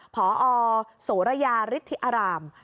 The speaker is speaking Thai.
พอโสระยาฤทธิอาราม